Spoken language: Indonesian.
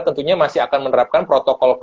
tentunya masih akan menerapkan protokol